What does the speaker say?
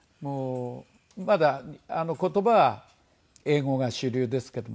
まだ言葉は英語が主流ですけども。